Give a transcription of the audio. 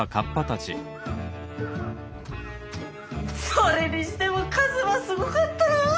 それにしても一馬すごかったな！